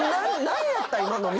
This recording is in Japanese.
何やったん？